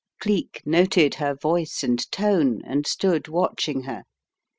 Cleek noted her voice and tone, and stood watching her.